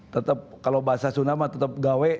tetap kalau bahasa sunama tetap gawe